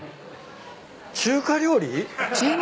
中華料理？